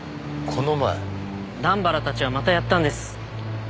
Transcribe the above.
段原たちはまたやったんです。